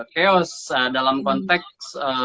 chaos dalam konteks